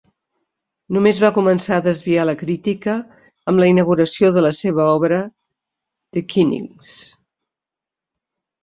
Només va començar a desviar la crítica amb la inauguració de la seva obra, "The Knights".